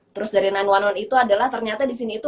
terus dari sembilan ratus sebelas itu adalah ternyata disini itu